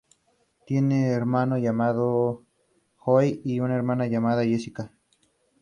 Todas ellos fueron construidas en un lago artificial.